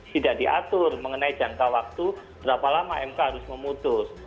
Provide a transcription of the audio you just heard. tidak diatur mengenai jangka waktu berapa lama mk harus memutus